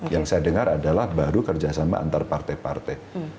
yang saya dengar adalah baru kerjasama antar partai partai